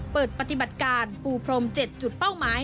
เปิดปฏิบัติการปูพรม๗จุดเป้าหมาย